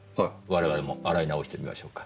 我々も洗い直してみましょうか。